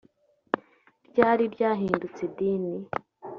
ryari ryahindutse idini